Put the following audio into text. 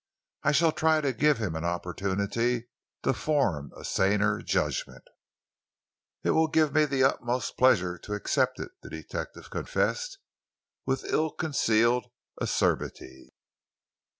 I shall try to give him an opportunity to form a saner judgment." "It will give me the utmost pleasure to accept it," the detective confessed, with ill concealed acerbity.